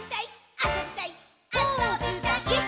「あそびたいっ！！」